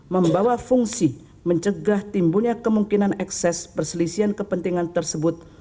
membawa fungsi mencegah timbulnya kemungkinan ekses perselisian kepentingan tersebut